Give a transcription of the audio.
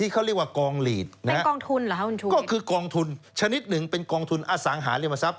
เป็นกองทุนเหรอฮะอุณชุมิตก็คือกองทุนชนิดหนึ่งเป็นกองทุนอสังหาริมทรัพย์